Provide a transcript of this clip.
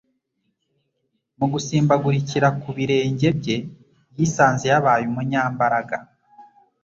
Mu gusimbagurikira ku birenge bye, yisanze yabaye umunyambaraga